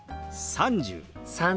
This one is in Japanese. ３０。